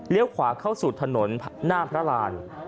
เลี้ยวขวาเข้าสู่ถนนหน้าพระราน